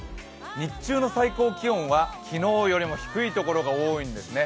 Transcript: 日中の最高気温は昨日よりも低いところが多いんですね。